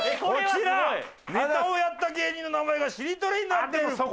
こちらネタをやった芸人の名前がしりとりになっている。